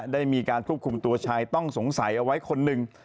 ได้มีการควบคุมตัวชายต้องสงสัยเอาไว้คนหนึ่ง